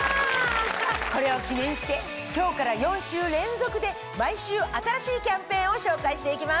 これを記念して今日から４週連続で毎週新しいキャンペーンを紹介していきます。